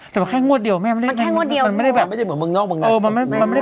แต่ว่าแค่งวดเดียวมั้ยมันไม่ได้แบบเหมือนเมืองนอกเหมือนไง